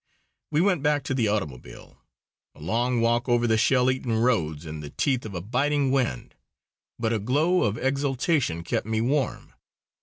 We went back to the automobile, a long walk over the shell eaten roads in the teeth of a biting wind. But a glow of exultation kept me warm.